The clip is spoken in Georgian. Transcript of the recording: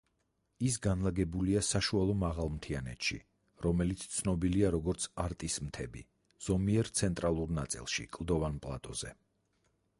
ის განლაგებულია საშუალო მაღალმთიანეთში, რომელიც ცნობილია, როგორც არტის მთები, ზომიერ ცენტრალურ ნაწილში, კლდოვან პლატოზე.